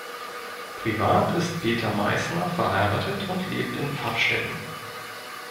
Privat ist Peter Meissner verheiratet und lebt in Pfaffstätten.